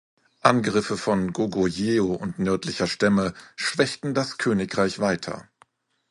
Angriffe von Goguryeo und nördlicher Stämme schwächten das Königreich weiter.